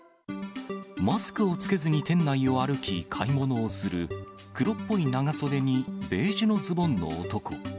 マスクを着けずに店内を歩き、買い物をする、黒っぽい長袖にベージュのズボンの男。